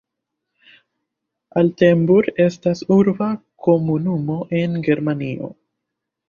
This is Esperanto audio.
Altenburg estas urba komunumo en Germanio.